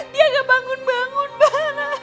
dia gak bangun bangun mana